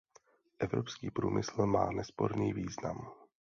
Evropský průmysl má nesporný význam.